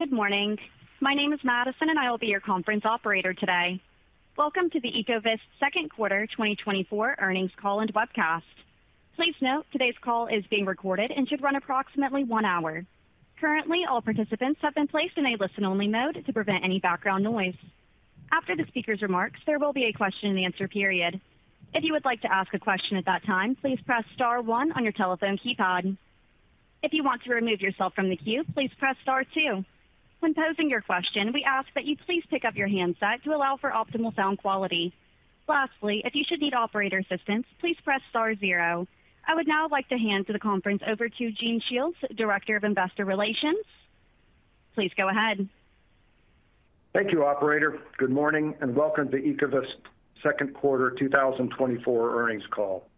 Good morning. My name is Madison, and I will be your conference operator today. Welcome to the Ecovyst second quarter 2024 earnings call and webcast. Please note, today's call is being recorded and should run approximately one hour. Currently, all participants have been placed in a listen-only mode to prevent any background noise. After the speaker's remarks, there will be a question-and-answer period. If you would like to ask a question at that time, please press star one on your telephone keypad. If you want to remove yourself from the queue, please press star two. When posing your question, we ask that you please pick up your handset to allow for optimal sound quality. Lastly, if you should need operator assistance, please press star zero. I would now like to hand the conference over to Gene Shiels, Director of Investor Relations. Please go ahead. Thank you, operator. Good morning, and welcome to Ecovyst second quarter 2024 earnings call.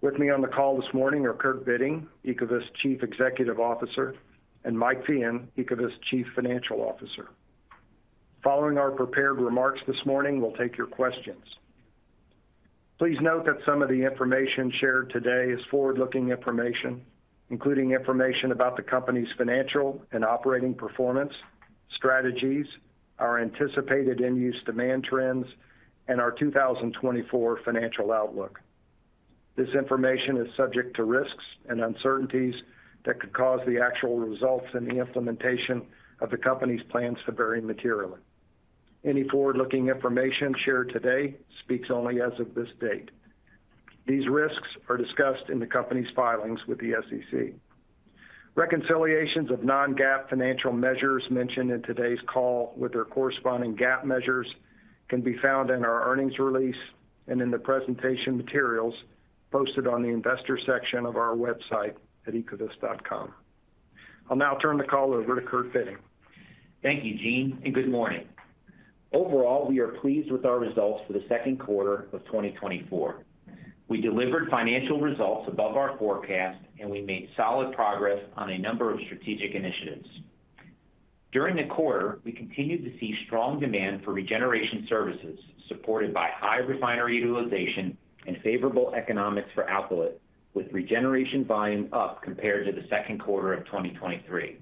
With me on the call this morning are Kurt Bitting, Ecovyst Chief Executive Officer, and Mike Feehan, Ecovyst Chief Financial Officer. Following our prepared remarks this morning, we'll take your questions. Please note that some of the information shared today is forward-looking information, including information about the company's financial and operating performance, strategies, our anticipated end-use demand trends, and our 2024 financial outlook. This information is subject to risks and uncertainties that could cause the actual results in the implementation of the company's plans to vary materially. Any forward-looking information shared today speaks only as of this date. These risks are discussed in the company's filings with the SEC. Reconciliations of non-GAAP financial measures mentioned in today's call with their corresponding GAAP measures can be found in our earnings release and in the presentation materials posted on the investor section of our website at ecovyst.com. I'll now turn the call over to Kurt Bitting. Thank you, Gene, and good morning. Overall, we are pleased with our results for the second quarter of 2024. We delivered financial results above our forecast, and we made solid progress on a number of strategic initiatives. During the quarter, we continued to see strong demand for regeneration services, supported by high refinery utilization and favorable economics for outlet, with regeneration volume up compared to the second quarter of 2023.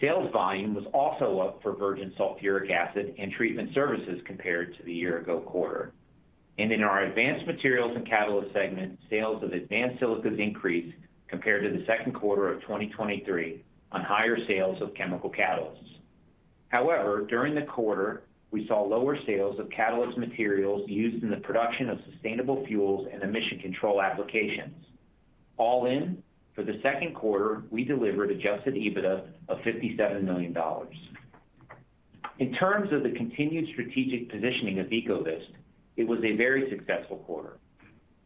Sales volume was also up for virgin sulfuric acid and treatment services compared to the year ago quarter. And in our advanced materials and catalyst segment, sales of Advanced Silicas increased compared to the second quarter of 2023 on higher sales of chemical catalysts. However, during the quarter, we saw lower sales of catalyst materials used in the production of sustainable fuels and emission control applications. All in, for the second quarter, we delivered Adjusted EBITDA of $57 million. In terms of the continued strategic positioning of Ecovyst, it was a very successful quarter.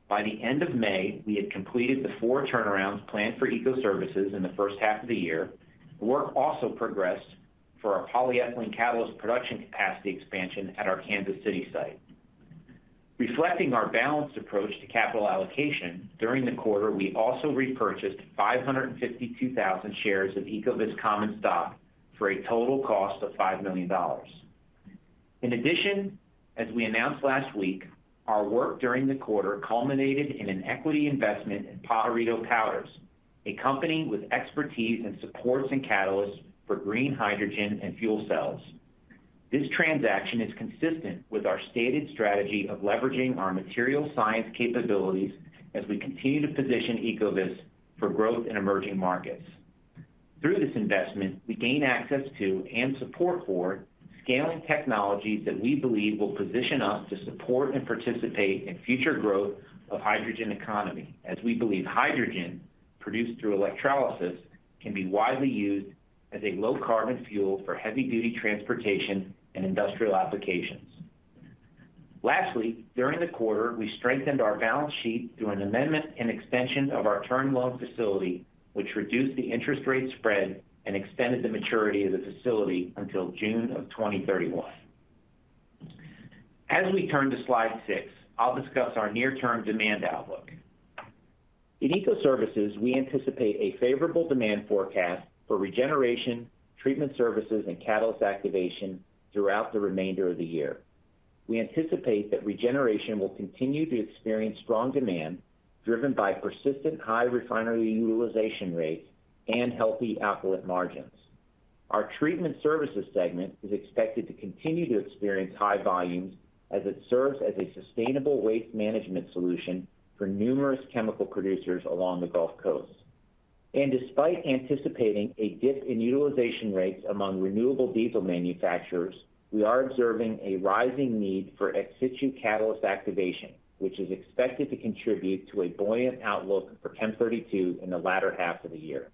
By the end of May, we had completed the four turnarounds planned for Eco Services in the first half of the year. Work also progressed for our polyethylene catalyst production capacity expansion at our Kansas City site. Reflecting our balanced approach to capital allocation, during the quarter, we also repurchased 552,000 shares of Ecovyst common stock for a total cost of $5 million. In addition, as we announced last week, our work during the quarter culminated in an equity investment in Pajarito Powder, a company with expertise in supports and catalysts for green hydrogen and fuel cells. This transaction is consistent with our stated strategy of leveraging our material science capabilities as we continue to position Ecovyst for growth in emerging markets. Through this investment, we gain access to and support for scaling technologies that we believe will position us to support and participate in future growth of hydrogen economy, as we believe hydrogen, produced through electrolysis, can be widely used as a low-carbon fuel for heavy-duty transportation and industrial applications. Lastly, during the quarter, we strengthened our balance sheet through an amendment and extension of our term loan facility, which reduced the interest rate spread and extended the maturity of the facility until June of 2031. As we turn to slide six, I'll discuss our near-term demand outlook. In Eco Services, we anticipate a favorable demand forecast for regeneration, treatment services, and catalyst activation throughout the remainder of the year. We anticipate that regeneration will continue to experience strong demand, driven by persistent high refinery utilization rates and healthy outlet margins. Our treatment services segment is expected to continue to experience high volumes as it serves as a sustainable waste management solution for numerous chemical producers along the Gulf Coast. Despite anticipating a dip in utilization rates among renewable diesel manufacturers, we are observing a rising need for ex situ Catalyst Activation, which is expected to contribute to a buoyant outlook for Chem32 in the latter half of the year.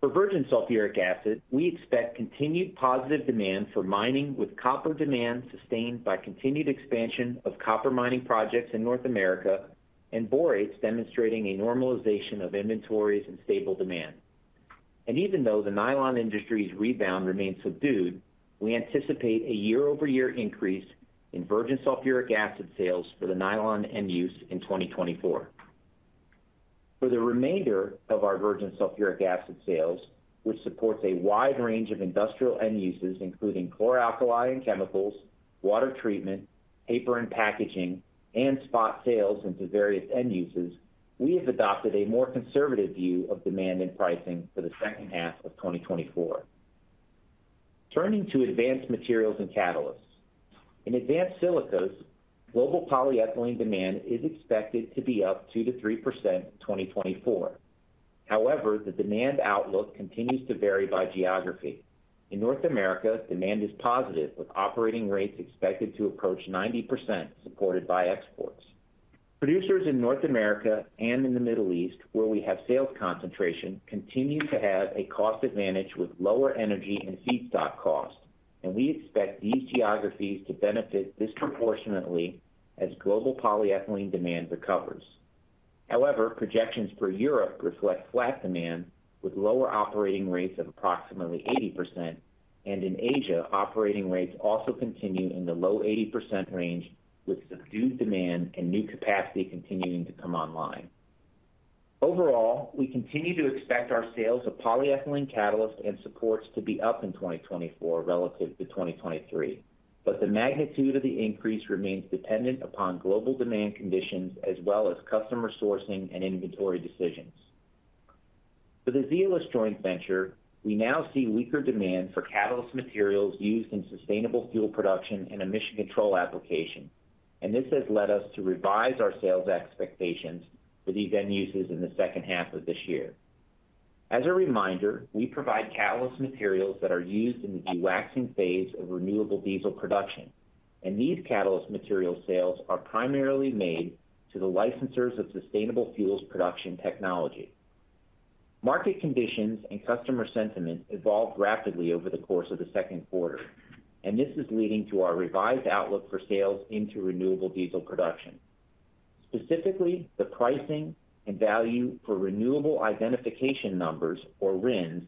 For virgin sulfuric acid, we expect continued positive demand for mining, with copper demand sustained by continued expansion of copper mining projects in North America and borates demonstrating a normalization of inventories and stable demand. Even though the nylon industry's rebound remains subdued, we anticipate a year-over-year increase in virgin sulfuric acid sales for the nylon end use in 2024. For the remainder of our virgin sulfuric acid sales, which supports a wide range of industrial end uses, including Chloralkali and chemicals, water treatment, paper and packaging, and spot sales into various end uses, we have adopted a more conservative view of demand and pricing for the second half of 2024. Turning to Advanced Materials and Catalysts. In Advanced Silicas, global polyethylene demand is expected to be up 2%-3% in 2024. However, the demand outlook continues to vary by geography. In North America, demand is positive, with operating rates expected to approach 90%, supported by exports. Producers in North America and in the Middle East, where we have sales concentration, continue to have a cost advantage with lower energy and feedstock costs, and we expect these geographies to benefit disproportionately as global polyethylene demand recovers. However, projections for Europe reflect flat demand with lower operating rates of approximately 80%, and in Asia, operating rates also continue in the low 80% range, with subdued demand and new capacity continuing to come online. Overall, we continue to expect our sales of polyethylene catalyst and supports to be up in 2024 relative to 2023, but the magnitude of the increase remains dependent upon global demand conditions as well as customer sourcing and inventory decisions. For the Zeolyst joint venture, we now see weaker demand for catalyst materials used in sustainable fuel production and emission control application, and this has led us to revise our sales expectations for these end uses in the second half of this year. As a reminder, we provide catalyst materials that are used in the dewaxing phase of renewable diesel production, and these catalyst material sales are primarily made to the licensors of sustainable fuels production technology. Market conditions and customer sentiment evolved rapidly over the course of the second quarter, and this is leading to our revised outlook for sales into renewable diesel production. Specifically, the pricing and value for renewable identification numbers, or RINs,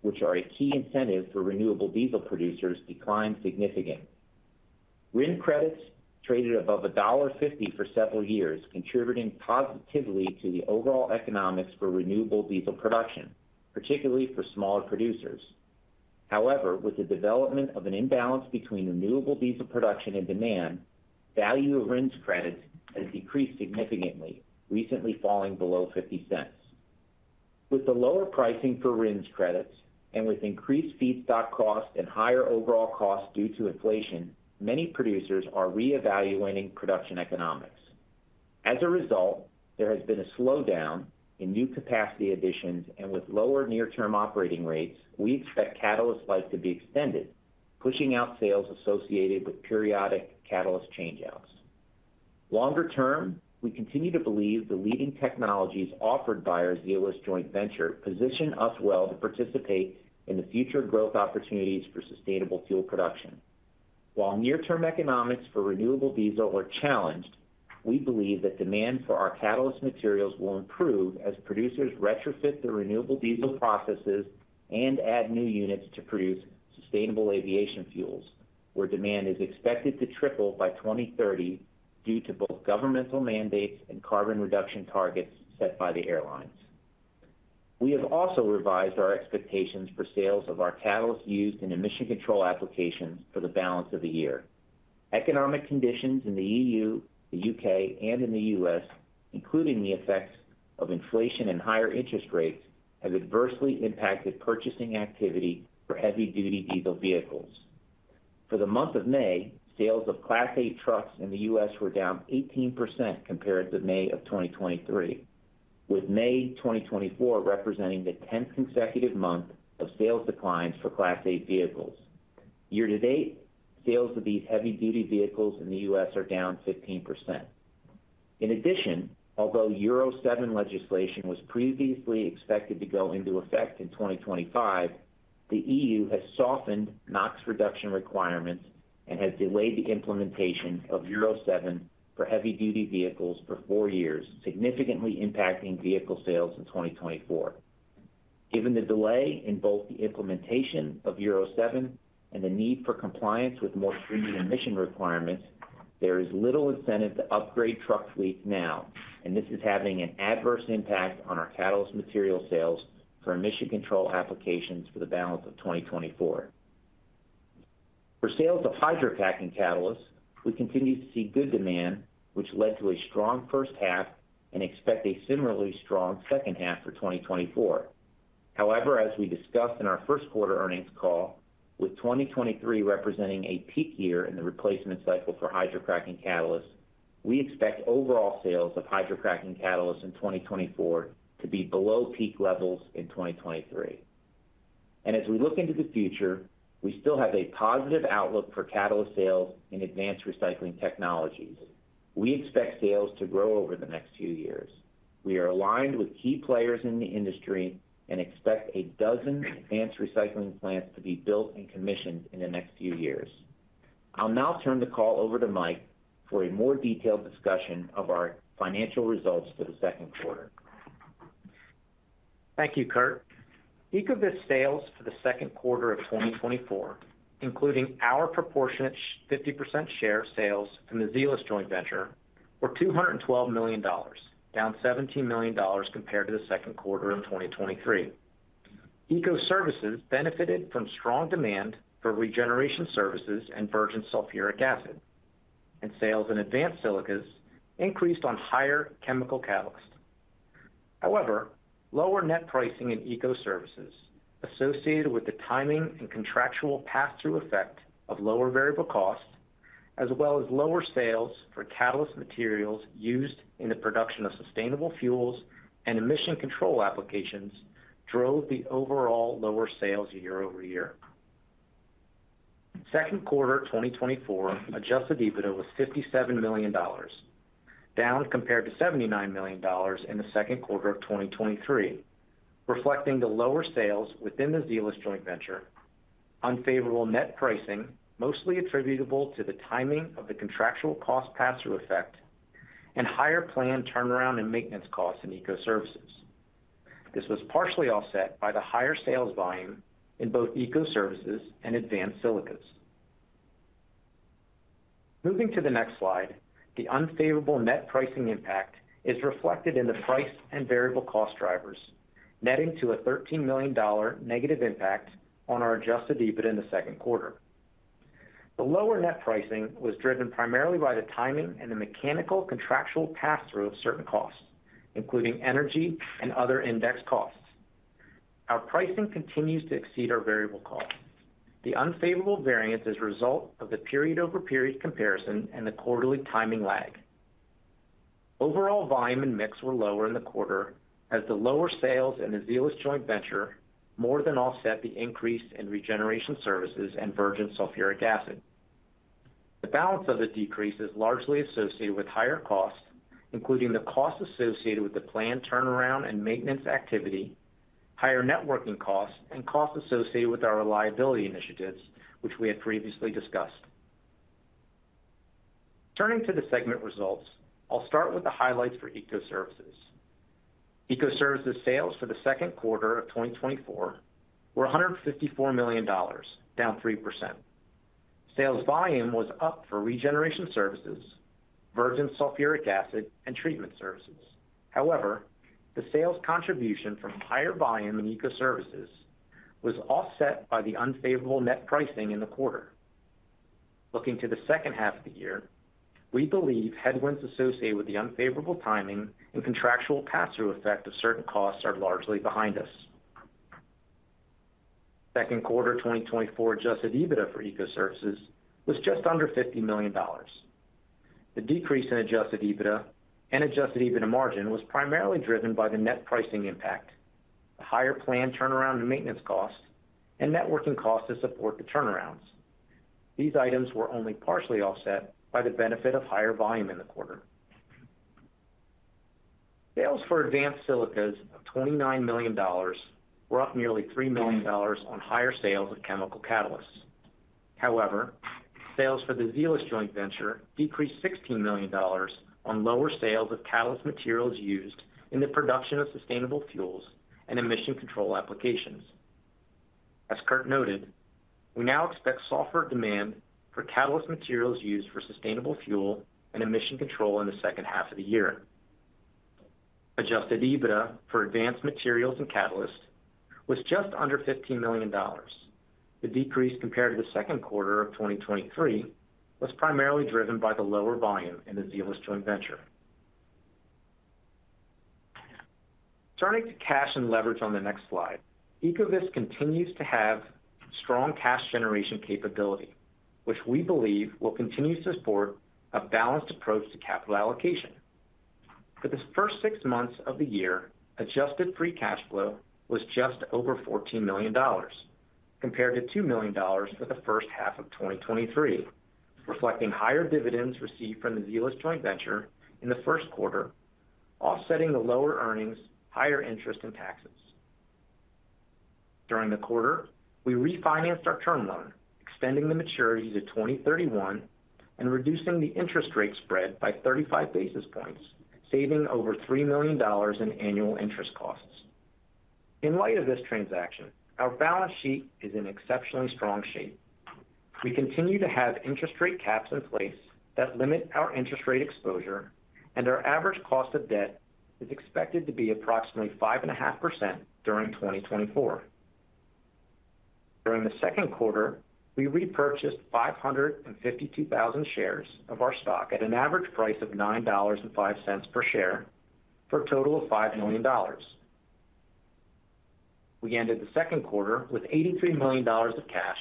which are a key incentive for renewable diesel producers, declined significantly. RIN credits traded above $1.50 for several years, contributing positively to the overall economics for renewable diesel production, particularly for smaller producers. However, with the development of an imbalance between renewable diesel production and demand, value of RINs credits has decreased significantly, recently falling below $0.50. With the lower pricing for RINs credits and with increased feedstock costs and higher overall costs due to inflation, many producers are reevaluating production economics. As a result, there has been a slowdown in new capacity additions, and with lower near-term operating rates, we expect catalyst life to be extended, pushing out sales associated with periodic catalyst change-outs. Longer term, we continue to believe the leading technologies offered by our Zeolyst joint venture position us well to participate in the future growth opportunities for sustainable fuel production. While near-term economics for renewable diesel are challenged, we believe that demand for our catalyst materials will improve as producers retrofit their renewable diesel processes and add new units to produce sustainable aviation fuels, where demand is expected to triple by 2030 due to both governmental mandates and carbon reduction targets set by the airlines. We have also revised our expectations for sales of our catalyst used in emission control applications for the balance of the year. Economic conditions in the EU, the U.K., and in the U.S., including the effects of inflation and higher interest rates, have adversely impacted purchasing activity for heavy-duty diesel vehicles. For the month of May, sales of Class 8 trucks in the U.S. were down 18% compared to May of 2023, with May 2024 representing the 10th consecutive month of sales declines for Class 8 vehicles. Year to date, sales of these heavy-duty vehicles in the U.S. are down 15%. In addition, although Euro 7 legislation was previously expected to go into effect in 2025, the E.U. has softened NOx reduction requirements and has delayed the implementation of Euro 7 for heavy-duty vehicles for 4 years, significantly impacting vehicle sales in 2024. Given the delay in both the implementation of Euro 7 and the need for compliance with more stringent emission requirements, there is little incentive to upgrade truck fleets now, and this is having an adverse impact on our catalyst material sales for emission control applications for the balance of 2024. For sales of hydrocracking catalysts, we continue to see good demand, which led to a strong first half and expect a similarly strong second half for 2024. However, as we discussed in our first quarter earnings call, with 2023 representing a peak year in the replacement cycle for hydrocracking catalysts, we expect overall sales of hydrocracking catalysts in 2024 to be below peak levels in 2023. As we look into the future, we still have a positive outlook for catalyst sales in advanced recycling technologies. We expect sales to grow over the next few years. We are aligned with key players in the industry and expect 12 advanced recycling plants to be built and commissioned in the next few years. I'll now turn the call over to Mike for a more detailed discussion of our financial results for the second quarter. Thank you, Kurt. Ecovyst sales for the second quarter of 2024, including our proportionate 50% share sales from the Zeolyst joint venture, were $212 million, down $17 million compared to the second quarter of 2023. Eco Services benefited from strong demand for regeneration services and virgin sulfuric acid, and sales in advanced silicas increased on higher chemical catalyst. However, lower net pricing in Eco Services, associated with the timing and contractual pass-through effect of lower variable costs, as well as lower sales for catalyst materials used in the production of sustainable fuels and emission control applications, drove the overall lower sales year-over-year. Second quarter 2024 Adjusted EBITDA was $57 million, down compared to $79 million in the second quarter of 2023, reflecting the lower sales within the Zeolyst joint venture, unfavorable net pricing, mostly attributable to the timing of the contractual cost pass-through effect, and higher planned turnaround and maintenance costs in Eco Services. This was partially offset by the higher sales volume in both Eco Services and Advanced Silicas. Moving to the next slide, the unfavorable net pricing impact is reflected in the price and variable cost drivers, netting to a $13 million dollar negative impact on our Adjusted EBITDA in the second quarter. The lower net pricing was driven primarily by the timing and the mechanical contractual pass-through of certain costs, including energy and other index costs. Our pricing continues to exceed our variable costs. The unfavorable variance is a result of the period-over-period comparison and the quarterly timing lag. Overall volume and mix were lower in the quarter, as the lower sales in the Zeolyst joint venture more than offset the increase in regeneration services and virgin sulfuric acid. The balance of the decrease is largely associated with higher costs, including the costs associated with the planned turnaround and maintenance activity, higher networking costs, and costs associated with our reliability initiatives, which we had previously discussed. Turning to the segment results, I'll start with the highlights for Eco Services. Eco Services sales for the second quarter of 2024 were $154 million, down 3%. Sales volume was up for regeneration services, virgin sulfuric acid, and treatment services. However, the sales contribution from higher volume in Eco Services was offset by the unfavorable net pricing in the quarter. Looking to the second half of the year, we believe headwinds associated with the unfavorable timing and contractual pass-through effect of certain costs are largely behind us. Second quarter 2024 Adjusted EBITDA for Eco Services was just under $50 million. The decrease in Adjusted EBITDA and Adjusted EBITDA margin was primarily driven by the net pricing impact, the higher planned turnaround and maintenance costs, and networking costs to support the turnarounds. These items were only partially offset by the benefit of higher volume in the quarter. Sales for Advanced Silicas of $29 million were up nearly $3 million on higher sales of chemical catalysts. However, sales for the Zeolyst joint venture decreased $16 million on lower sales of catalyst materials used in the production of sustainable fuels and emission control applications. As Kurt noted, we now expect softer demand for catalyst materials used for sustainable fuel and emission control in the second half of the year. Adjusted EBITDA for Advanced materials and catalysts was just under $15 million. The decrease compared to the second quarter of 2023 was primarily driven by the lower volume in the Zeolyst joint venture. Turning to cash and leverage on the next slide, Ecovyst continues to have strong cash generation capability, which we believe will continue to support a balanced approach to capital allocation. For the first six months of the year, adjusted free cash flow was just over $14 million, compared to $2 million for the first half of 2023, reflecting higher dividends received from the Zeolyst joint venture in the first quarter, offsetting the lower earnings, higher interest in taxes. During the quarter, we refinanced our term loan, extending the maturity to 2031 and reducing the interest rate spread by 35 basis points, saving over $3 million in annual interest costs. In light of this transaction, our balance sheet is in exceptionally strong shape. We continue to have interest rate caps in place that limit our interest rate exposure, and our average cost of debt is expected to be approximately 5.5% during 2024. During the second quarter, we repurchased 552,000 shares of our stock at an average price of $9.05 per share, for a total of $5 million. We ended the second quarter with $83 million of cash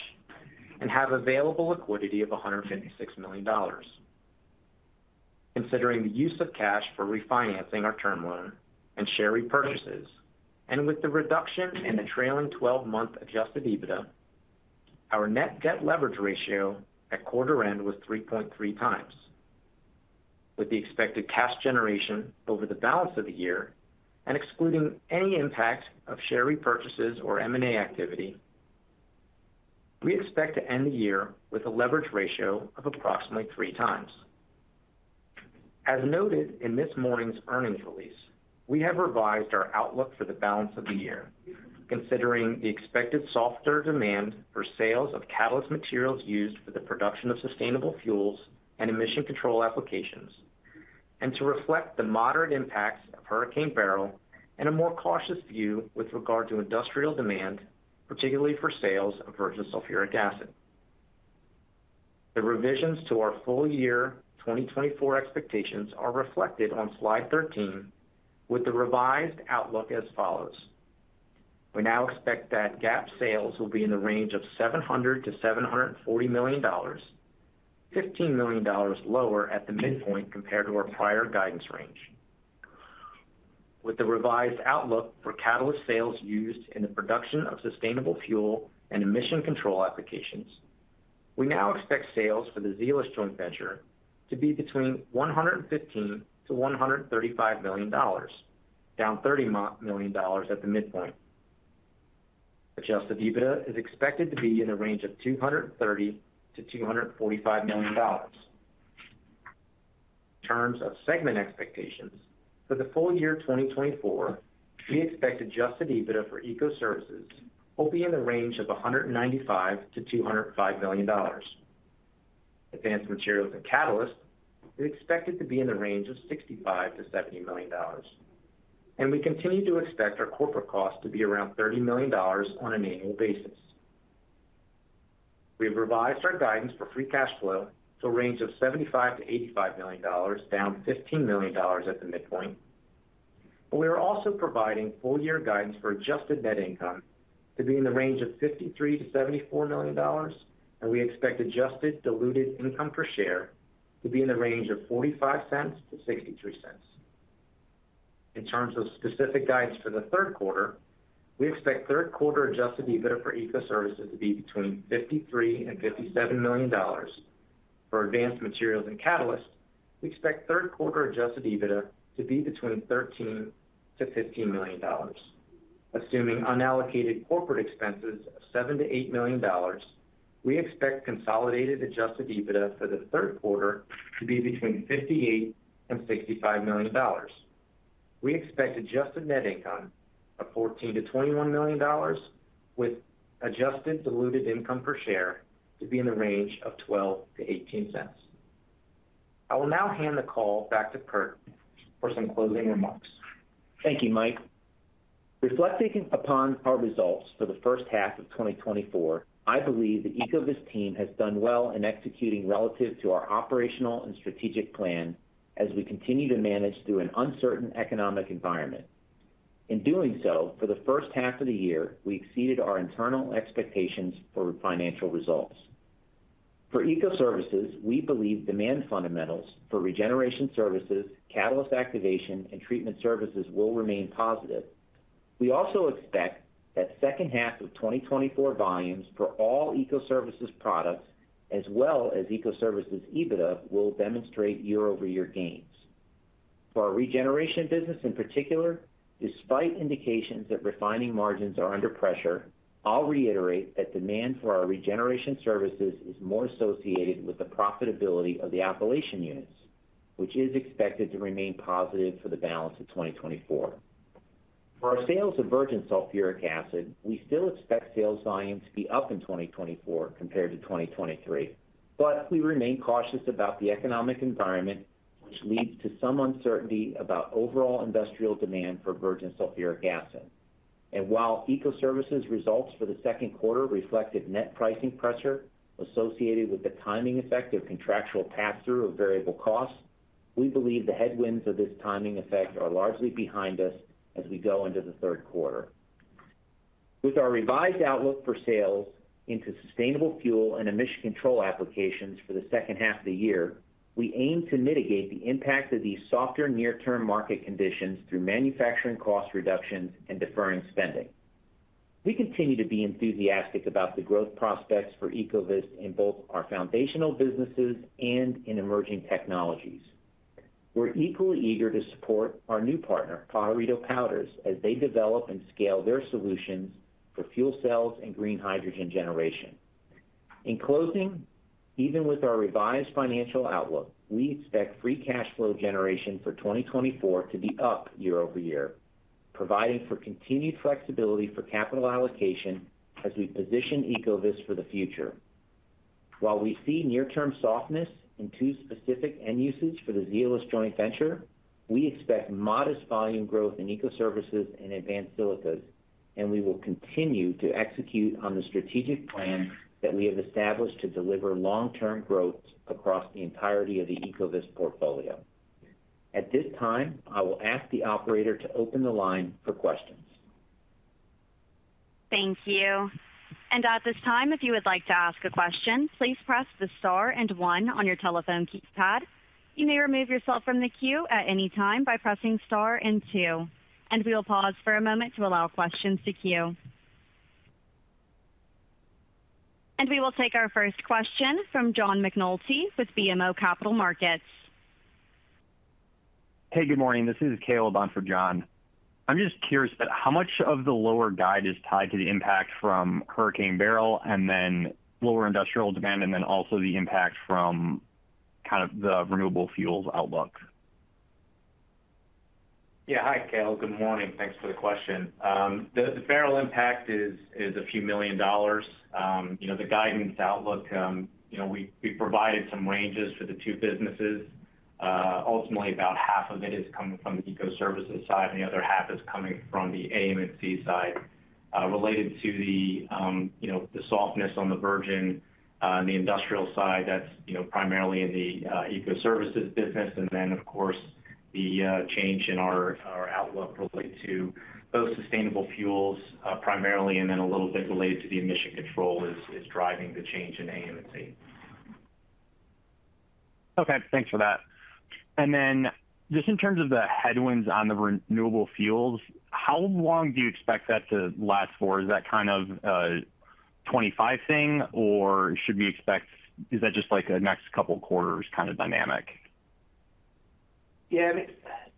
and have available liquidity of $156 million. Considering the use of cash for refinancing our term loan and share repurchases, and with the reduction in the trailing twelve-month adjusted EBITDA, our net debt leverage ratio at quarter end was 3.3 times. With the expected cash generation over the balance of the year, and excluding any impact of share repurchases or M&A activity, we expect to end the year with a leverage ratio of approximately 3 times. As noted in this morning's earnings release, we have revised our outlook for the balance of the year, considering the expected softer demand for sales of catalyst materials used for the production of sustainable fuels and emission control applications, and to reflect the moderate impacts of Hurricane Beryl and a more cautious view with regard to industrial demand, particularly for sales of virgin sulfuric acid. The revisions to our full year 2024 expectations are reflected on slide 13, with the revised outlook as follows: We now expect that GAAP sales will be in the range of $700 million-$740 million, $15 million lower at the midpoint compared to our prior guidance range. With the revised outlook for catalyst sales used in the production of sustainable fuel and emission control applications, we now expect sales for the Zeolyst joint venture to be between $115 million-$135 million, down $30 million at the midpoint. Adjusted EBITDA is expected to be in a range of $230 million-$245 million. In terms of segment expectations, for the full year 2024, we expect Adjusted EBITDA for Eco Services will be in the range of $195 million-$205 million. Advanced Materials and Catalysts is expected to be in the range of $65 million-$70 million, and we continue to expect our corporate cost to be around $30 million on an annual basis. We've revised our guidance for free cash flow to a range of $75 million-$85 million, down $15 million at the midpoint. We are also providing full-year guidance for adjusted net income to be in the range of $53 million-$74 million, and we expect adjusted diluted income per share to be in the range of $0.45-$0.63. In terms of specific guidance for the third quarter, we expect third quarter adjusted EBITDA for Eco Services to be between $53 million and $57 million. For Advanced Materials and Catalysts, we expect third quarter adjusted EBITDA to be between $13-$15 million. Assuming unallocated corporate expenses of $7-$8 million, we expect consolidated adjusted EBITDA for the third quarter to be between $58 million and $65 million. We expect adjusted net income of $14-$21 million, with adjusted diluted income per share to be in the range of $0.12-$0.18. I will now hand the call back to Kurt for some closing remarks. Thank you, Mike. Reflecting upon our results for the first half of 2024, I believe the Ecovyst team has done well in executing relative to our operational and strategic plan as we continue to manage through an uncertain economic environment. In doing so, for the first half of the year, we exceeded our internal expectations for financial results. For Eco Services, we believe demand fundamentals for regeneration services, catalyst activation, and treatment services will remain positive. We also expect that second half of 2024 volumes for all Eco Services products, as well as Eco Services EBITDA, will demonstrate year-over-year gains. For our regeneration business in particular, despite indications that refining margins are under pressure, I'll reiterate that demand for our regeneration services is more associated with the profitability of the Appalachian units, which is expected to remain positive for the balance of 2024. For our sales of virgin sulfuric acid, we still expect sales volume to be up in 2024 compared to 2023, but we remain cautious about the economic environment, which leads to some uncertainty about overall industrial demand for virgin sulfuric acid. And while Eco Services results for the second quarter reflected net pricing pressure associated with the timing effect of contractual pass-through of variable costs, we believe the headwinds of this timing effect are largely behind us as we go into the third quarter. With our revised outlook for sales into sustainable fuel and emission control applications for the second half of the year, we aim to mitigate the impact of these softer near-term market conditions through manufacturing cost reductions and deferring spending. We continue to be enthusiastic about the growth prospects for Ecovyst in both our foundational businesses and in emerging technologies. We're equally eager to support our new partner, Pajarito Powder, as they develop and scale their solutions for fuel cells and green hydrogen generation. In closing, even with our revised financial outlook, we expect free cash flow generation for 2024 to be up year-over-year, providing for continued flexibility for capital allocation as we position Ecovyst for the future. While we see near-term softness in two specific end uses for the Zeolyst joint venture, we expect modest volume growth in Eco Services and Advanced Silicas, and we will continue to execute on the strategic plan that we have established to deliver long-term growth across the entirety of the Ecovyst portfolio. At this time, I will ask the operator to open the line for questions. Thank you. And at this time, if you would like to ask a question, please press the star and one on your telephone keypad. You may remove yourself from the queue at any time by pressing star and two, and we will pause for a moment to allow questions to queue. And we will take our first question from John McNulty with BMO Capital Markets. Hey, good morning. This is Caleb on for John. I'm just curious about how much of the lower guide is tied to the impact from Hurricane Beryl, and then lower industrial demand, and then also the impact from kind of the renewable fuels outlook? Yeah. Hi, Caleb. Good morning. Thanks for the question. The fuel impact is a few $ million. You know, the guidance outlook, you know, we provided some ranges for the two businesses. Ultimately, about half of it is coming from the Eco Services side, and the other half is coming from the AM&C side. Related to the softness on the virgin on the industrial side, that's you know, primarily in the Eco Services business. And then, of course, the change in our outlook relate to both sustainable fuels, primarily, and then a little bit related to the emission control is driving the change in AM&C. Okay, thanks for that. And then just in terms of the headwinds on the renewable fuels, how long do you expect that to last for? Is that kind of a 2025 thing, or is that just, like, a next couple quarters kind of dynamic? Yeah, I mean,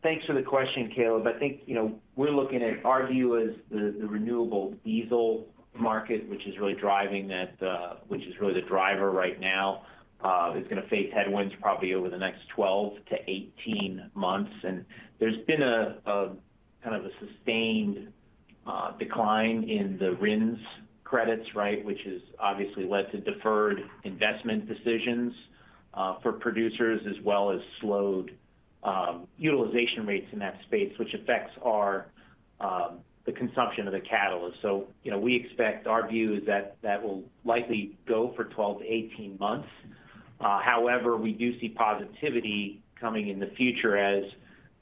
thanks for the question, Caleb. I think, you know, we're looking at our view as the renewable diesel market, which is really the driver right now, is gonna face headwinds probably over the next 12-18 months. And there's been a kind of a sustained decline in the RINs credits, right? Which has obviously led to deferred investment decisions for producers, as well as slowed utilization rates in that space, which affects our the consumption of the catalyst. So, you know, we expect, our view is that that will likely go for 12-18 months. However, we do see positivity coming in the future as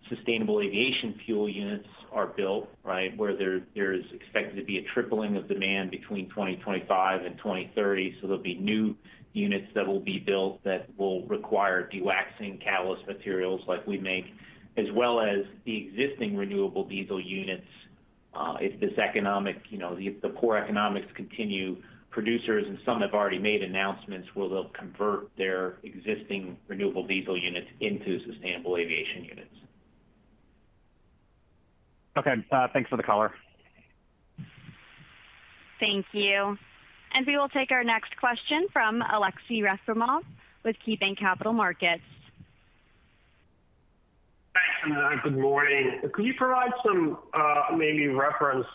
sustainable aviation fuel units are built, right? Where there is expected to be a tripling of demand between 2025 and 2030. So there'll be new units that will be built that will require dewaxing catalyst materials like we make, as well as the existing renewable diesel units. If this economic, you know, if the poor economics continue, producers, and some have already made announcements, where they'll convert their existing renewable diesel units into sustainable aviation units. Okay. Thanks for the color. Thank you. We will take our next question from Aleksey Rasermov with KeyBanc Capital Markets. Thanks, and good morning. Could you provide some maybe reference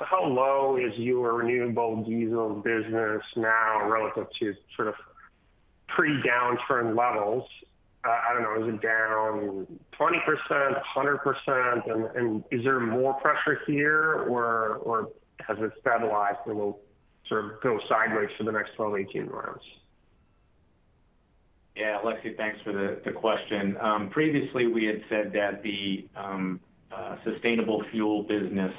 how low is your renewable diesel business now relative to sort of pre-downturn levels? I don't know, is it down 20%, 100%? And, is there more pressure here, or has it stabilized and will sort of go sideways for the next 12, 18 months? Yeah, Alexi, thanks for the, the question. Previously, we had said that the sustainable fuel business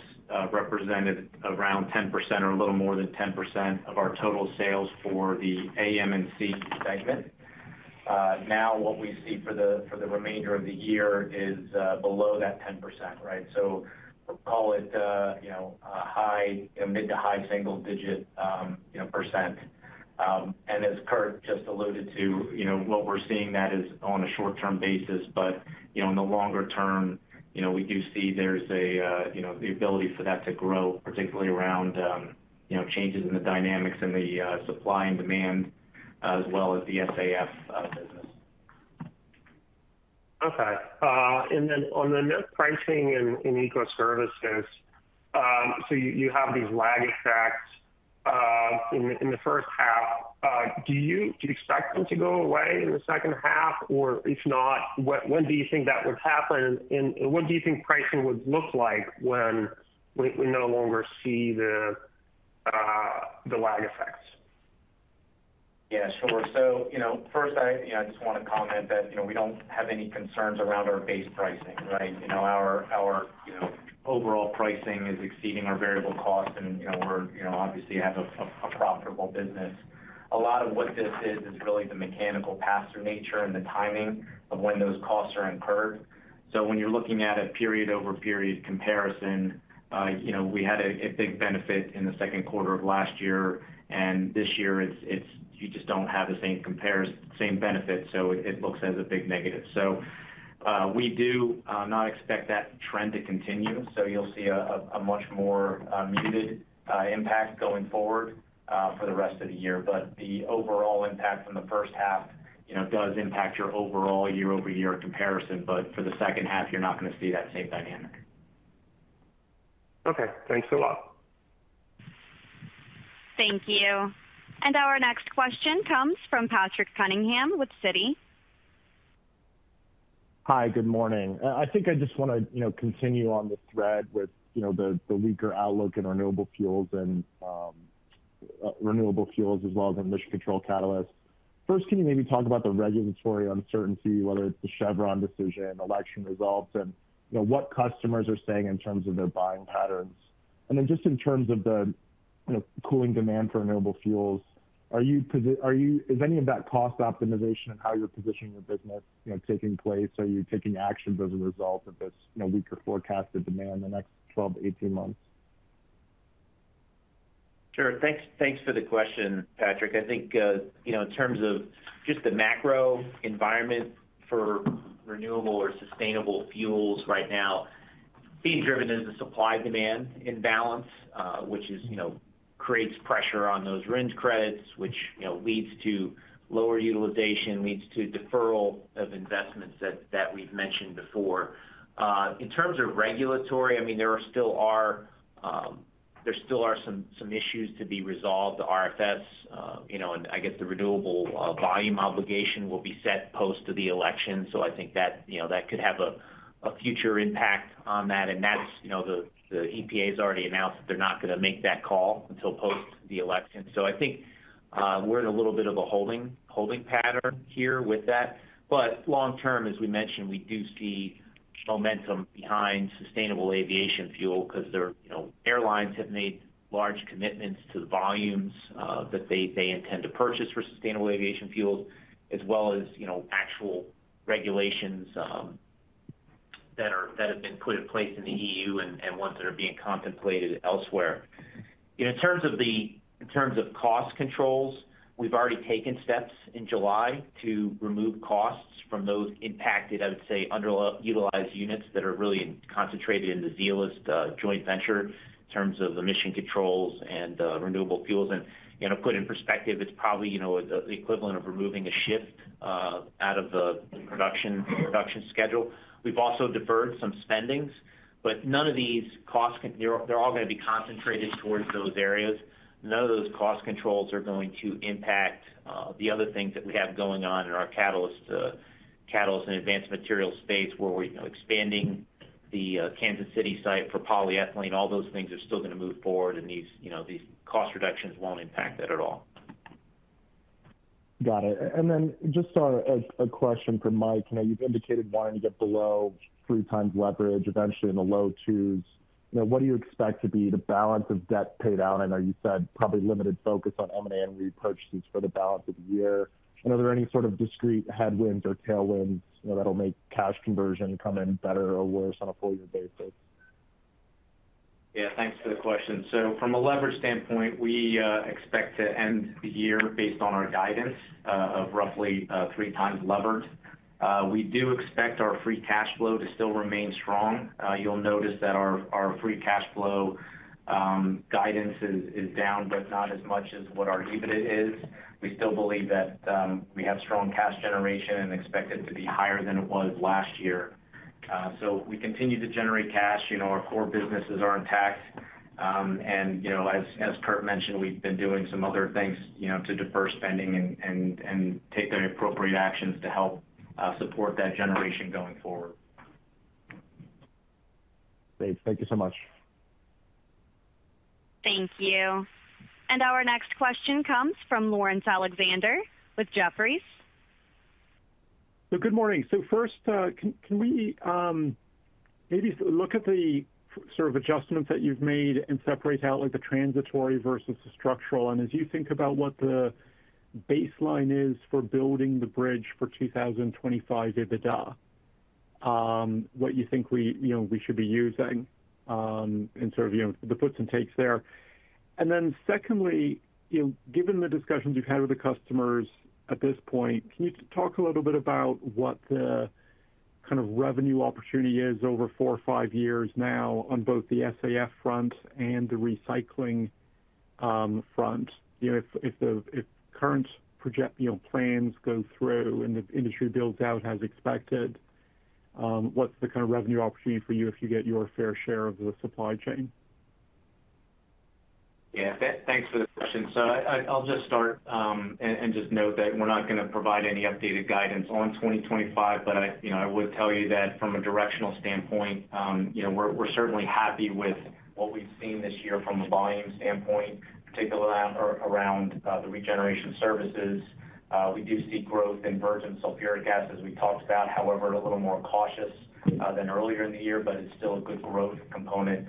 represented around 10% or a little more than 10% of our total sales for the AM&C segment. Now, what we see for the, for the remainder of the year is below that 10%, right? So call it, you know, a high, a mid- to high-single-digit, you know, %. And as Kurt just alluded to, you know, what we're seeing that is on a short-term basis, but, you know, in the longer term, you know, we do see there's a, you know, the ability for that to grow, particularly around, you know, changes in the dynamics in the, supply and demand, as well as the SAF business. Okay. And then on the net pricing in Eco Services, so you have these lag effects in the first half. Do you expect them to go away in the second half? Or if not, when do you think that would happen? And what do you think pricing would look like when we no longer see the lag effects? Yeah, sure. So, you know, first, I, you know, I just want to comment that, you know, we don't have any concerns around our base pricing, right? You know, our, our, you know, overall pricing is exceeding our variable costs, and, you know, we're, you know, obviously have a profitable business. A lot of what this is, is really the mechanical pass-through nature and the timing of when those costs are incurred. So when you're looking at a period-over-period comparison, you know, we had a big benefit in the second quarter of last year, and this year it's you just don't have the same compares, same benefit, so it looks as a big negative. So, we do not expect that trend to continue, so you'll see a much more muted impact going forward, for the rest of the year. But the overall impact from the first half, you know, does impact your overall year-over-year comparison. But for the second half, you're not gonna see that same dynamic. Okay, thanks a lot. Thank you. Our next question comes from Patrick Cunningham with Citi. Hi, good morning. I think I just wanna, you know, continue on the thread with, you know, the, the weaker outlook in renewable fuels and renewable fuels as well as emission control catalysts. First, can you maybe talk about the regulatory uncertainty, whether it's the Chevron decision, election results, and, you know, what customers are saying in terms of their buying patterns? And then just in terms of the, you know, cooling demand for renewable fuels, is any of that cost optimization and how you're positioning your business, you know, taking place? Are you taking actions as a result of this, you know, weaker forecasted demand in the next 12 to 18 months? Sure. Thanks, thanks for the question, Patrick. I think, you know, in terms of just the macro environment for renewable or sustainable fuels right now being driven as a supply-demand imbalance, which is, you know, creates pressure on those RINs credits, which, you know, leads to lower utilization, leads to deferral of investments that, that we've mentioned before. In terms of regulatory, I mean, there still are some issues to be resolved. The RFS, you know, and I guess, the renewable volume obligation will be set post to the election. So I think that, you know, that could have a future impact on that, and that's, you know, the EPA's already announced that they're not gonna make that call until post the election. So I think, we're in a little bit of a holding pattern here with that. But long term, as we mentioned, we do see momentum behind sustainable aviation fuel because they're, you know, airlines have made large commitments to the volumes, that they intend to purchase for sustainable aviation fuels, as well as, you know, actual regulations, that have been put in place in the EU and, and ones that are being contemplated elsewhere. In terms of cost controls, we've already taken steps in July to remove costs from those impacted, I would say, under-utilized units that are really concentrated in the Zeolyst joint venture, in terms of emission controls and, renewable fuels. And, you know, put in perspective, it's probably, you know, the equivalent of removing a shift out of the production schedule. We've also deferred some spendings, but none of these costs, they're all gonna be concentrated towards those areas. None of those cost controls are going to impact the other things that we have going on in our catalyst and advanced materials space, where we're, you know, expanding the Kansas City site for polyethylene. All those things are still gonna move forward, and these, you know, these cost reductions won't impact that at all. Got it. And then just a question for Mike. You know, you've indicated wanting to get below three times leverage, eventually in the low twos. You know, what do you expect to be the balance of debt paid out? I know you said probably limited focus on M&A repurchases for the balance of the year. And are there any sort of discrete headwinds or tailwinds, you know, that'll make cash conversion come in better or worse on a full year basis? Yeah, thanks for the question. So from a leverage standpoint, we expect to end the year based on our guidance of roughly 3x levered. We do expect our free cash flow to still remain strong. You'll notice that our free cash flow guidance is down, but not as much as what our EBITDA is. We still believe that we have strong cash generation and expect it to be higher than it was last year. So we continue to generate cash. You know, our core businesses are intact. And, you know, as Kurt mentioned, we've been doing some other things, you know, to defer spending and take the appropriate actions to help support that generation going forward. Great. Thank you so much. Thank you. And our next question comes from Lawrence Alexander with Jefferies. Good morning. First, can we maybe look at the sort of adjustments that you've made and separate out, like, the transitory versus the structural? And as you think about what the baseline is for building the bridge for 2025 EBITDA, what you think we, you know, we should be using, and sort of, you know, the puts and takes there. And then secondly, you know, given the discussions you've had with the customers at this point, can you talk a little bit about what the kind of revenue opportunity is over 4 or 5 years now on both the SAF front and the recycling front? You know, if the current project, you know, plans go through and the industry builds out as expected, what's the kind of revenue opportunity for you if you get your fair share of the supply chain? Yeah, thanks for the question. So I'll just start and just note that we're not gonna provide any updated guidance on 2025. But I, you know, I would tell you that from a directional standpoint, you know, we're certainly happy with what we've seen this year from a volume standpoint, particularly around the regeneration services. We do see growth in virgin sulfuric acid, as we talked about. However, a little more cautious than earlier in the year, but it's still a good growth component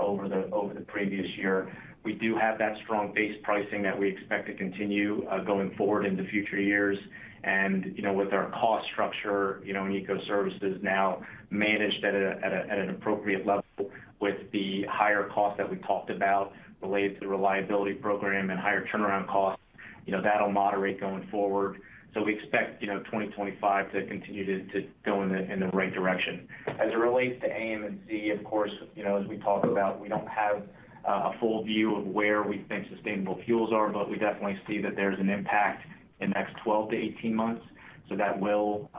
over the previous year. We do have that strong base pricing that we expect to continue going forward into future years. You know, with our cost structure, you know, in EcoServices now managed at an appropriate level with the higher cost that we talked about related to the reliability program and higher turnaround costs, you know, that'll moderate going forward. So we expect, you know, 2025 to continue to go in the right direction. As it relates to AM&Z, of course, you know, as we talked about, we don't have a full view of where we think sustainable fuels are, but we definitely see that there's an impact in the next 12 to 18 months, so that will,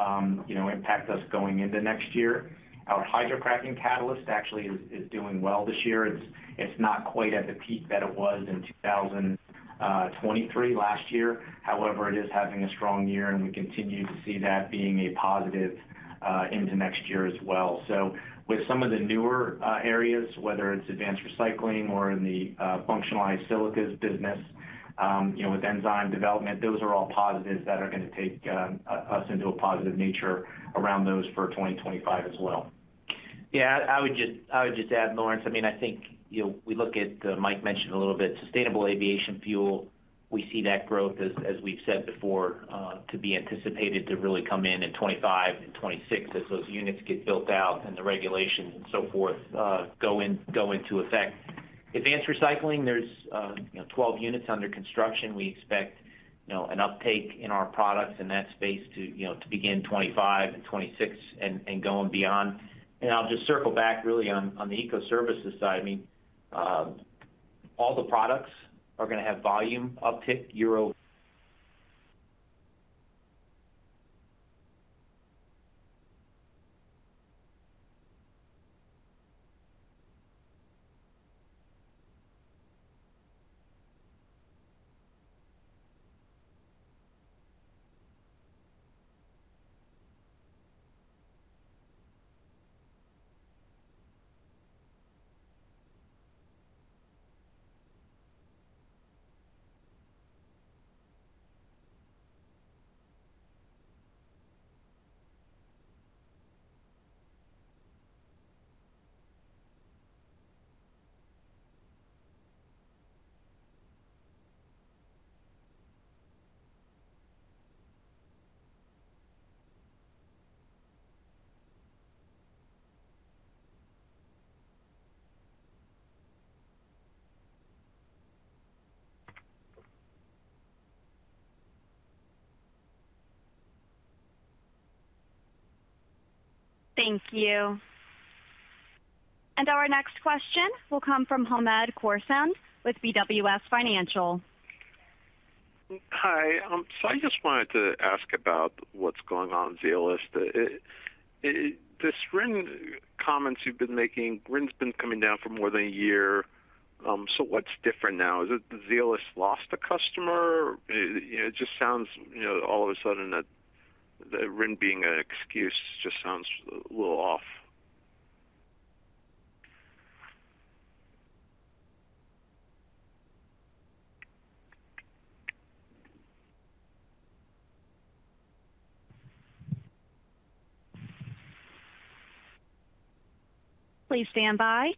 you know, impact us going into next year. Our hydrocracking catalyst actually is doing well this year. It's not quite at the peak that it was in 2023, last year. However, it is having a strong year, and we continue to see that being a positive into next year as well. So with some of the newer areas, whether it's Advanced Recycling or in the functionalized silicas business, you know, with enzyme development, those are all positives that are gonna take us into a positive nature around those for 2025 as well. Yeah, I would just add, Lawrence, I mean, I think, you know, we look at, Mike mentioned a little bit, sustainable aviation fuel. We see that growth, as we've said before, to be anticipated to really come in in 2025 and 2026 as those units get built out and the regulations and so forth go into effect. Advanced Recycling, there's, you know, 12 units under construction. We expect, you know, an uptake in our products in that space to, you know, to begin 2025 and 2026 and going beyond. And I'll just circle back really on, on the Eco Services side. I mean, all the products are going to have volume uptick year over- Thank you. Our next question will come from Hamad Khorsand, with BWS Financial. Hi, so I just wanted to ask about what's going on in Zeolyst. This RIN comments you've been making, RIN's been coming down for more than a year, so what's different now? Is it that Zeolyst lost a customer? You know, it just sounds, you know, all of a sudden, that the RIN being an excuse just sounds a little off. Please stand by.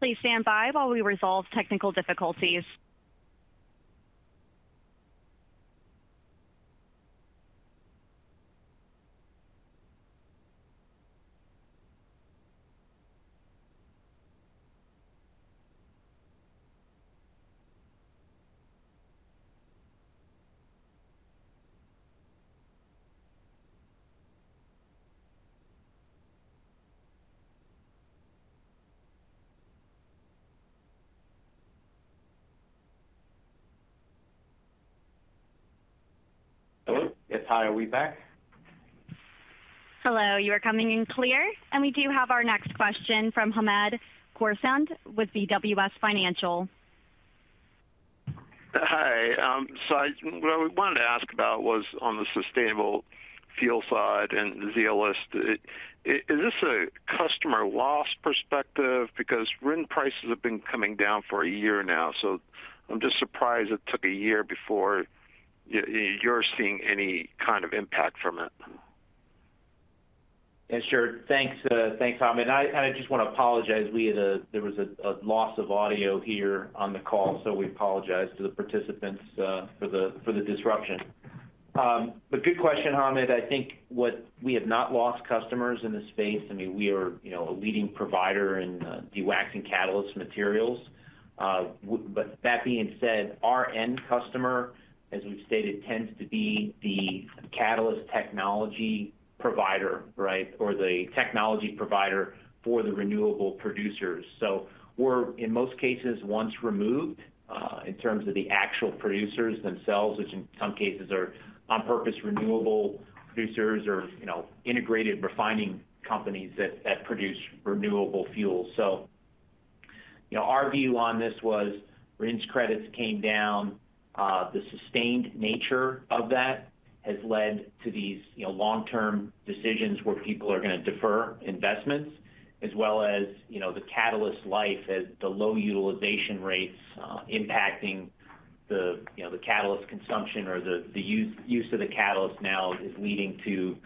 Please stand by while we resolve technical difficulties. Hello? Yes, hi, are we back? Hello, you are coming in clear, and we do have our next question from Hamad Khorsand, with BWS Financial. Hi, so what I wanted to ask about was on the sustainable fuel side and Zeolyst. Is this a customer loss perspective? Because RIN prices have been coming down for a year now, so I'm just surprised it took a year before you're seeing any kind of impact from it. Yeah, sure. Thanks, thanks, Hamad. I just want to apologize. We had a loss of audio here on the call, so we apologize to the participants for the disruption. But good question, Hamad. I think we have not lost customers in this space. I mean, we are, you know, a leading provider in dewaxing catalyst materials. But that being said, our end customer, as we've stated, tends to be the catalyst technology provider, right? Or the technology provider for the renewable producers. So we're, in most cases, once removed in terms of the actual producers themselves, which in some cases are on-purpose renewable producers or, you know, integrated refining companies that produce renewable fuels. So, you know, our view on this was, RINs credits came down. The sustained nature of that has led to these, you know, long-term decisions where people are going to defer investments, as well as, you know, the catalyst life as the low utilization rates, impacting the, you know, the catalyst consumption or the, the use, use of the catalyst now is leading to,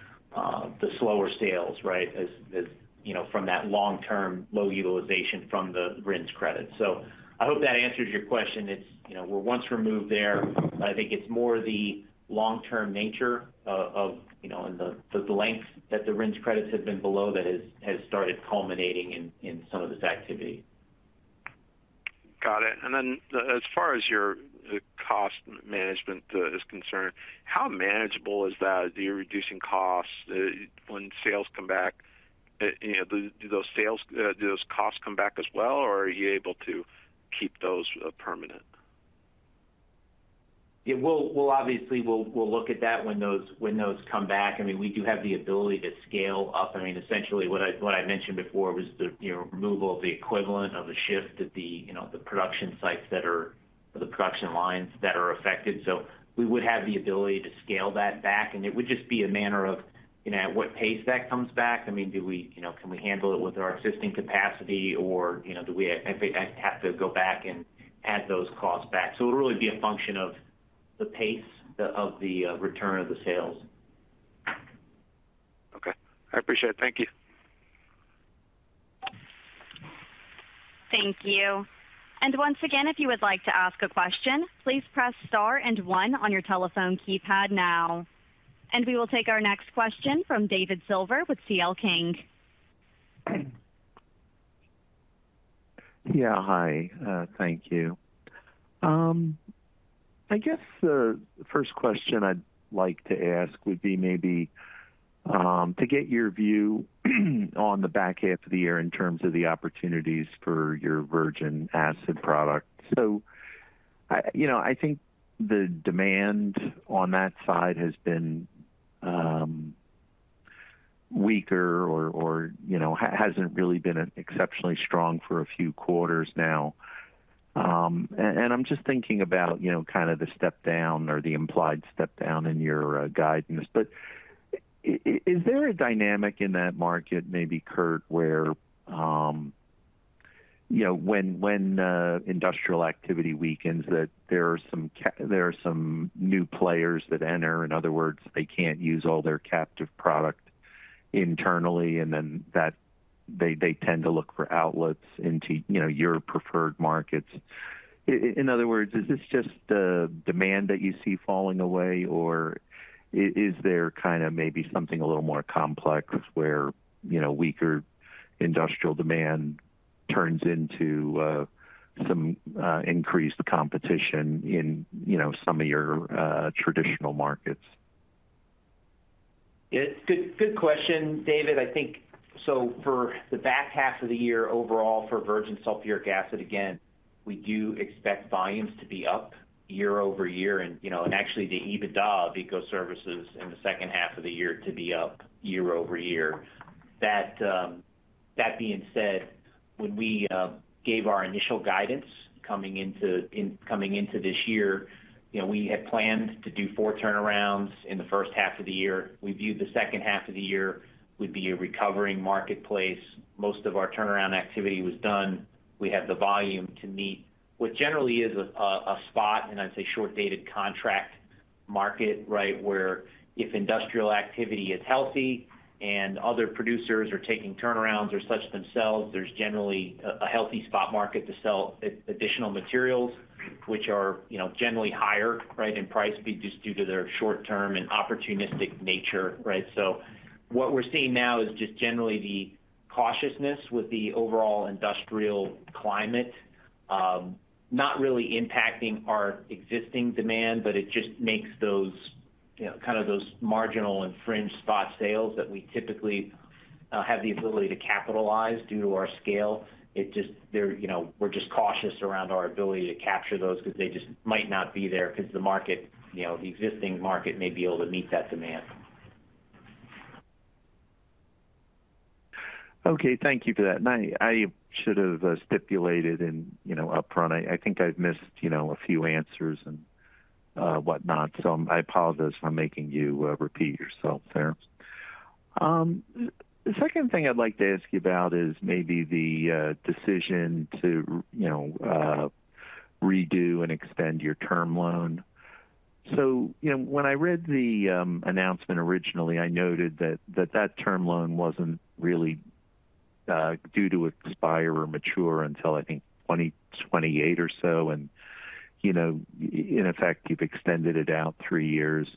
the slower sales, right? As, as, you know, from that long-term low utilization from the RINs credit. So I hope that answers your question. It's, you know, we're once removed there. I think it's more the long-term nature of, of, you know, and the, the length that the RINs credits have been below that has, has started culminating in, in some of this activity. Got it. And then, as far as your cost management is concerned, how manageable is that? Are you reducing costs when sales come back, you know, do those sales do those costs come back as well, or are you able to keep those permanent?... Yeah, we'll obviously look at that when those come back. I mean, we do have the ability to scale up. I mean, essentially what I mentioned before was the, you know, removal of the equivalent of a shift at the, you know, the production sites that are the production lines that are affected. So we would have the ability to scale that back, and it would just be a matter of, you know, at what pace that comes back. I mean, do we, you know, can we handle it with our existing capacity or, you know, do we have to go back and add those costs back? So it'll really be a function of the pace of the return of the sales. Okay, I appreciate it. Thank you. Thank you. And once again, if you would like to ask a question, please press Star and One on your telephone keypad now. And we will take our next question from David Silver with CL King. Yeah. Hi, thank you. I guess the first question I'd like to ask would be maybe, to get your view on the back half of the year in terms of the opportunities for your virgin acid product. So I, you know, I think the demand on that side has been, weaker or, or, you know, hasn't really been exceptionally strong for a few quarters now. And, and I'm just thinking about, you know, kind of the step down or the implied step down in your, guidance. But is there a dynamic in that market, maybe, Kurt, where, you know, when, when, industrial activity weakens, that there are some new players that enter? In other words, they can't use all their captive product internally, and then they tend to look for outlets into, you know, your preferred markets. In other words, is this just demand that you see falling away, or is there kind of maybe something a little more complex where, you know, weaker industrial demand turns into some increased competition in, you know, some of your traditional markets? Yeah, good, good question, David. I think so for the back half of the year overall, for virgin sulfuric acid, again, we do expect volumes to be up year-over-year. And, you know, and actually the EBITDA of Eco Services in the second half of the year to be up year-over-year. That, that being said, when we gave our initial guidance coming into this year, you know, we had planned to do four turnarounds in the first half of the year. We viewed the second half of the year would be a recovering marketplace. Most of our turnaround activity was done. We have the volume to meet what generally is a spot, and I'd say short-dated contract market, right? Where if industrial activity is healthy and other producers are taking turnarounds or such themselves, there's generally a healthy spot market to sell additional materials which are, you know, generally higher, right, in price, be just due to their short term and opportunistic nature, right? So what we're seeing now is just generally the cautiousness with the overall industrial climate, not really impacting our existing demand, but it just makes those, you know, kind of those marginal and fringe spot sales that we typically have the ability to capitalize due to our scale. It just, they're, you know, we're just cautious around our ability to capture those because they just might not be there because the market, you know, the existing market may be able to meet that demand. Okay. Thank you for that. And I, I should have stipulated and, you know, upfront, I, I think I've missed, you know, a few answers and whatnot, so I apologize for making you repeat yourself there. The second thing I'd like to ask you about is maybe the decision to, you know, uh... redo and extend your term loan. So, you know, when I read the announcement originally, I noted that term loan wasn't really due to expire or mature until, I think, 2028 or so. And, you know, in effect, you've extended it out three years.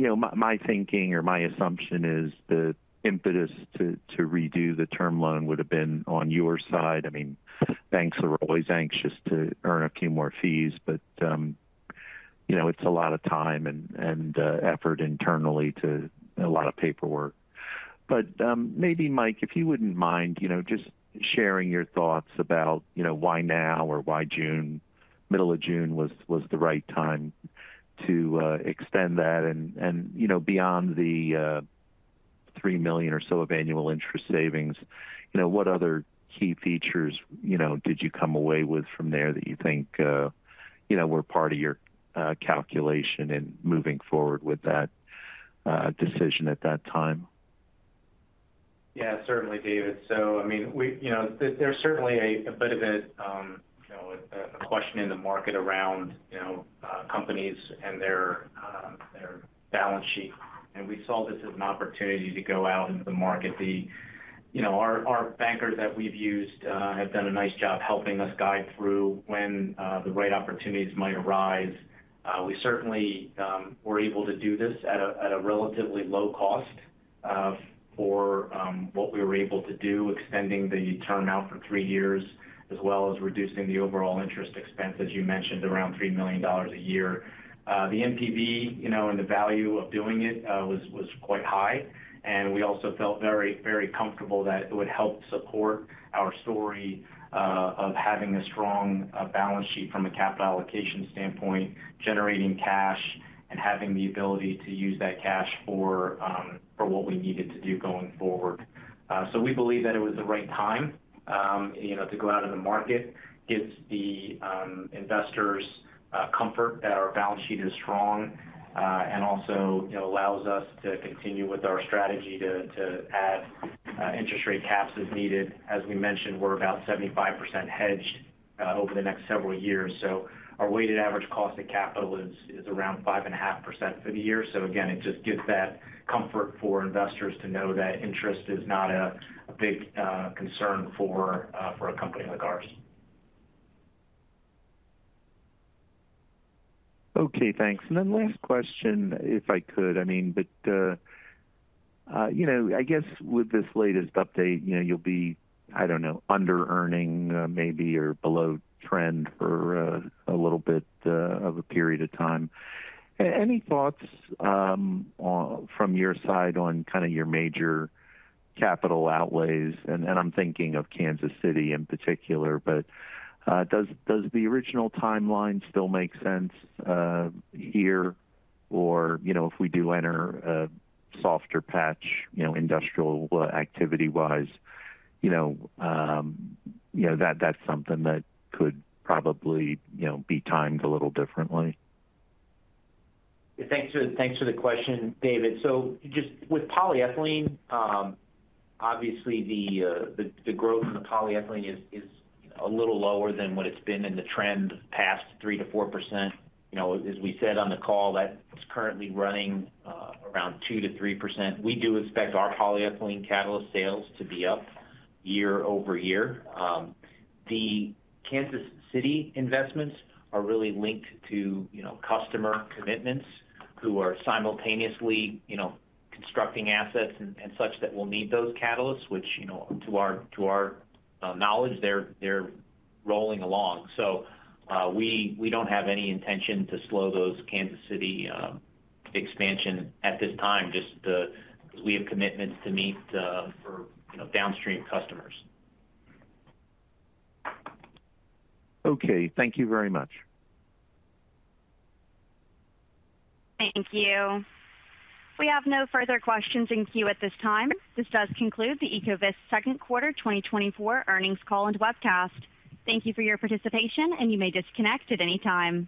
You know, my thinking or my assumption is the impetus to redo the term loan would have been on your side. I mean, banks are always anxious to earn a few more fees, but, you know, it's a lot of time and effort internally, a lot of paperwork. But, maybe, Mike, if you wouldn't mind, you know, just sharing your thoughts about, you know, why now or why June, middle of June, was the right time to extend that? And you know, beyond the $3 million or so of annual interest savings, you know, what other key features, you know, did you come away with from there that you think, you know, were part of your calculation in moving forward with that decision at that time? Yeah, certainly, David. So, I mean, we, you know, there, there's certainly a bit of a, you know, a question in the market around, you know, companies and their, their balance sheet, and we saw this as an opportunity to go out into the market. You know, our bankers that we've used have done a nice job helping us guide through when the right opportunities might arise. We certainly were able to do this at a relatively low cost... for what we were able to do, extending the term out for three years, as well as reducing the overall interest expense, as you mentioned, around $3 million a year. The NPV, you know, and the value of doing it was quite high, and we also felt very, very comfortable that it would help support our story of having a strong balance sheet from a capital allocation standpoint, generating cash, and having the ability to use that cash for what we needed to do going forward. So we believe that it was the right time, you know, to go out in the market, gives the investors comfort that our balance sheet is strong, and also, you know, allows us to continue with our strategy to add interest rate caps as needed. As we mentioned, we're about 75% hedged over the next several years. So our weighted average cost of capital is around 5.5% for the year. So again, it just gives that comfort for investors to know that interest is not a big concern for a company like ours. Okay, thanks. And then last question, if I could. I mean, but, you know, I guess with this latest update, you know, you'll be, I don't know, under-earning, maybe, or below trend for a little bit of a period of time. Any thoughts on... from your side on kind of your major capital outlays? And, I'm thinking of Kansas City in particular, but, does the original timeline still make sense here? Or, you know, if we do enter a softer patch, you know, industrial activity-wise, you know, that that's something that could probably, you know, be timed a little differently. Thanks for, thanks for the question, David. So just with polyethylene, obviously, the growth in the polyethylene is a little lower than what it's been in the trend of past 3%-4%. You know, as we said on the call, that is currently running around 2%-3%. We do expect our polyethylene catalyst sales to be up year-over-year. The Kansas City investments are really linked to, you know, customer commitments who are simultaneously, you know, constructing assets and such that we'll need those catalysts, which, you know, to our knowledge, they're rolling along. So, we don't have any intention to slow those Kansas City expansion at this time, just because we have commitments to meet, for, you know, downstream customers. Okay, thank you very much. Thank you. We have no further questions in queue at this time. This does conclude the Ecovyst second quarter 2024 earnings call and webcast. Thank you for your participation, and you may disconnect at any time.